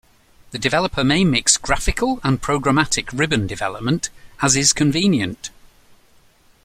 The developer may mix graphical and programmatic ribbon development as is convenient.